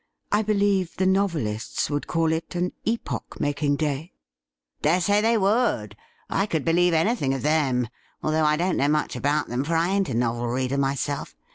I believe the novelists would call it an epoch making day ?' 'Dare say they would — I could believe anything of them, although I don't know much about them, for I ain't a novel reader myself.